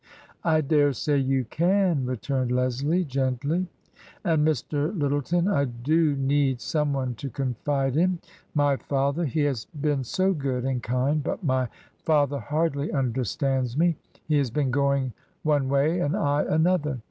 " I dare say you can," returned Leslie, gently. " And, Mr. Lyttleton, I do need some one to confide in. My father — he has been so good and kind — but my father hardly understands me. He has been going one way and I another.